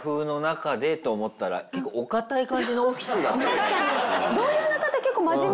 確かにね。